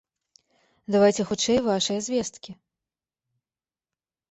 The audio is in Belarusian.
Давайце хутчэй вашыя звесткі.